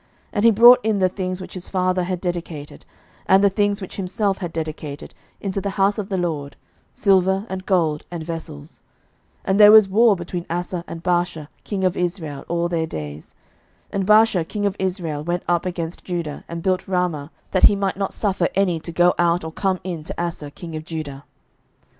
11:015:015 And he brought in the things which his father had dedicated, and the things which himself had dedicated, into the house of the LORD, silver, and gold, and vessels. 11:015:016 And there was war between Asa and Baasha king of Israel all their days. 11:015:017 And Baasha king of Israel went up against Judah, and built Ramah, that he might not suffer any to go out or come in to Asa king of Judah.